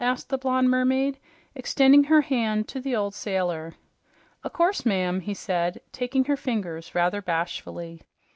asked the blonde mermaid, extending her hand to the old sailor. "Of course, ma'am," he said, taking her fingers rather bashfully.